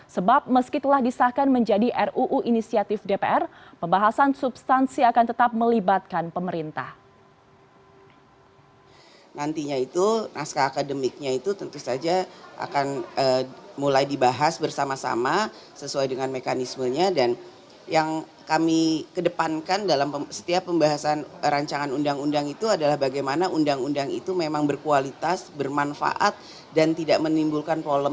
sebab meski telah disahkan menjadi ruu inisiatif dpr pembahasan substansi akan tetap melibatkan pemerintah